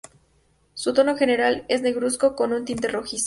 Su tono general es negruzco, con un tinte rojizo.